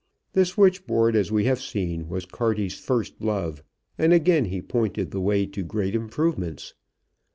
The switchboard, as we have seen, was Carty's first love, and again he pointed the way to great improvements.